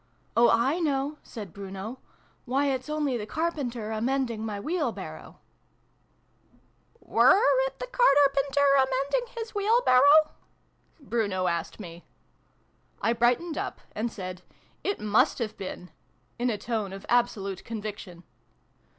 ' Oh, I know !' said Bruno. ' Why, it's only the Carpenter a mending my Wheelbarrow !'" Were it the Carterpenter a mending his Wheelbarrow ?" Bruno asked me. I brightened up, and said "It must have been !" in a tone of absolute conviction.